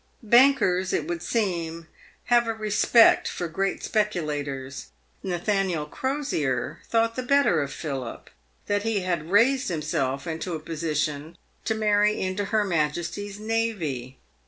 Bankers, it would seem, have a respect for great speculators. Natha niel Crosier thought the better of Philip that he had raised himself into a position to marry into her Majesty's navy.